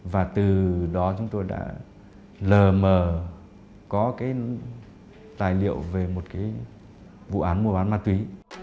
và từ đó chúng tôi đã l m có cái tài liệu về một cái vụ án mua bán ma túy